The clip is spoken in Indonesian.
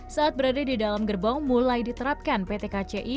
saat berada di dalam gerbong mulai diterapkan pt kci